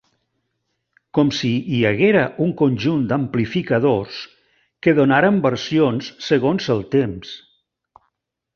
Com si hi haguera un conjunt d’amplificadors que donaren versions segons el temps.